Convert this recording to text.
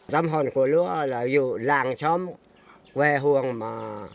dâm hồn của lúa là dù làng chóm quê hương mà